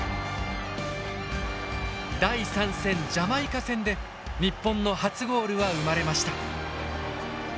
第３戦ジャマイカ戦で日本の初ゴールは生まれました。